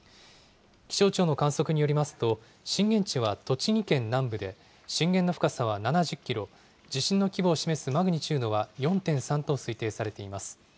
気象庁の観測によりますと、震源地は栃木県南部で、震源の深さは７０キロ、地震の規模を示すマグニチュードは４．３と推定されています。